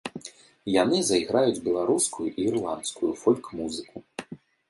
Яны зайграюць беларускую і ірландскую фольк-музыку.